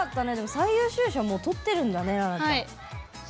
最優秀賞をもう取ってるんだね。